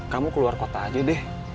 kamu keluar kota aja deh